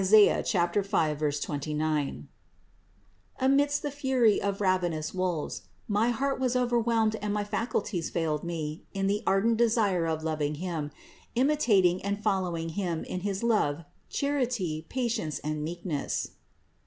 5, 29), amidst the fury of ravenous wolves, my heart was overwhelmed and my faculties failed me in the ardent desire of loving Him, imitating and following Him in his love, charity, patience and meekness.